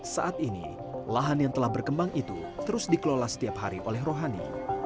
saat ini lahan yang telah berkembang itu terus dikelola setiap hari oleh rohani